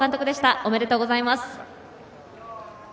おめでとうございます。